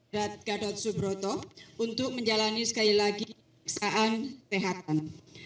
gadot subroto untuk menjalani sekali lagi pemeriksaan kesehatan